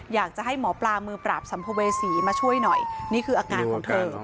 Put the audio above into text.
อยากจะให้หมอปลามือปราบสัมภเวษีมาช่วยหน่อยนี่คืออาการของเธอ